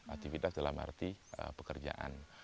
aktivitas dalam arti pekerjaan